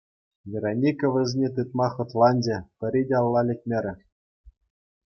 Вероника вӗсене тытма хӑтланчӗ, пӗри те алла лекмерӗ.